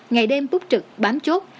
ngày đêm túc trực bám chốt